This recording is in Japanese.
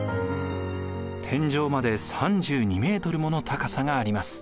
天井まで３２ｍもの高さがあります。